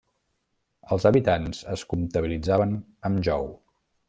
Els habitants es comptabilitzaven amb Jou.